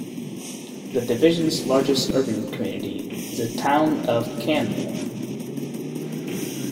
The division's largest urban community is the Town of Canmore.